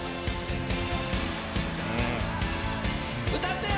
歌ってよ！